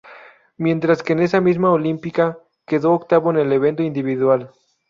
Mientras que en esa misma olímpica quedó octavo en el evento individual.